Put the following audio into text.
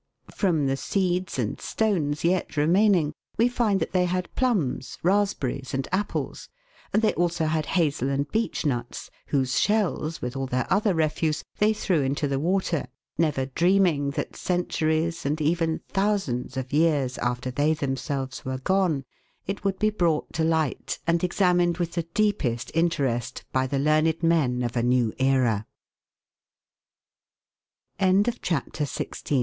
From the seeds and stones yet remaining, we find that they had plums, raspberries, and apples ; and they also had hazel and beech nuts, whose shells, with all their other refuse, they threw into the water, never dreaming that cen turies and even thousands of years after they themselves were gone, it would be brought to light and examined with the deepest interest by the learned